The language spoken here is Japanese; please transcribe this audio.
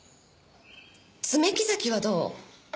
爪木崎はどう？